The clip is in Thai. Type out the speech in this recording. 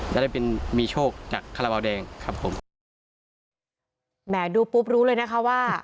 แล้วได้เป็นมีโชคจากคาราบาลแดงครับผมแหมดูปุ๊บรู้เลยนะคะว่า